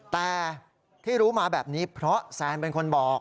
แต่ที่รู้มาแบบนี้เพราะแซนเป็นคนบอก